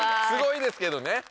すごいですけどね。